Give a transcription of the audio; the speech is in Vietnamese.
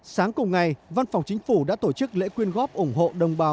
sáng cùng ngày văn phòng chính phủ đã tổ chức lễ quyên góp ủng hộ đồng bào